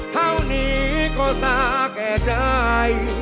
เท่านี้ก็สาแก่ใจ